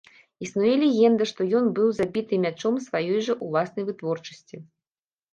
Існуе легенда, што ён быў забіты мячом сваёй жа ўласнай вытворчасці.